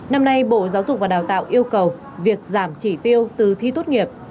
năm nay bộ giáo dục và đào tạo yêu cầu việc giảm chỉ tiêu từ thi tốt nghiệp